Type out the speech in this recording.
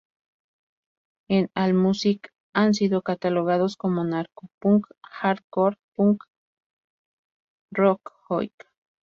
En "allmusic" han sido catalogados como "anarcopunk", "hardcore punk", "punk rock", "oi!